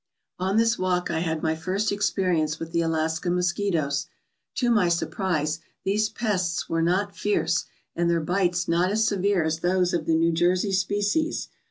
On this walk I had my first experience with the Alaska mosquitoes. To my surprise, these pests were not fierce, and their bites not as severe as those of the New Jersey species.